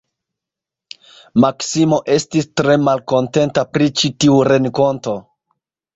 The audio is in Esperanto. Maksimo estis tre malkontenta pri ĉi tiu renkonto.